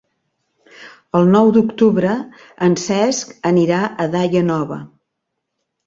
El nou d'octubre en Cesc anirà a Daia Nova.